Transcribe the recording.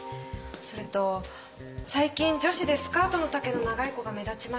それと最近女子でスカートの丈の長い子が目立ちます。